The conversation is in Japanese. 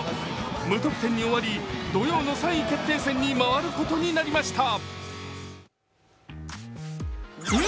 無得点に終わり土曜の３位決定戦に回ることになりました。